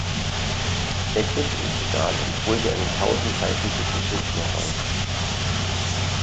Er griff ins Regal und holte einen tausend Seiten dicken Schinken heraus.